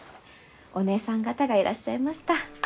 お姐さん方がいらっしゃいました。